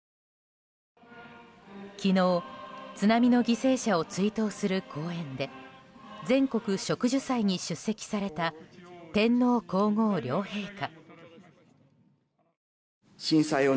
昨日、津波の犠牲者を追悼する公園で全国植樹祭に出席された天皇・皇后両陛下。